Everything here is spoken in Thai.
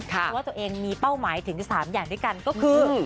เพราะว่าตัวเองมีเป้าหมายถึง๓อย่างด้วยกันก็คือ